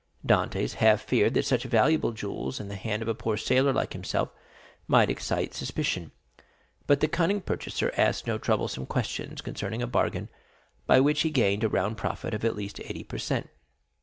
Dantès half feared that such valuable jewels in the hands of a poor sailor like himself might excite suspicion; but the cunning purchaser asked no troublesome questions concerning a bargain by which he gained a round profit of at least eighty per cent.